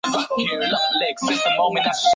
中华人民共和国文学家。